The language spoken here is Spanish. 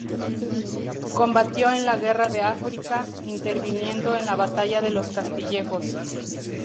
Combatió en la guerra de África, interviniendo en la batalla de los Castillejos.